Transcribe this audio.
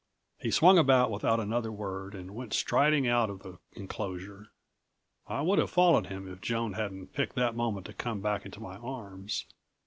He swung about without another word and went striding out of the enclosure. I would have followed him if Joan hadn't picked that moment to come back into my arms.